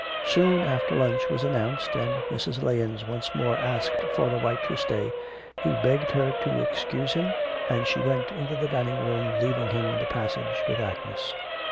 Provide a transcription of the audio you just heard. Soon after lunch was announced, and Mrs. Lahens once more asked Father White to stay. He begged her to excuse him, and she went into the diningroom leaving him in the passage with Agnes.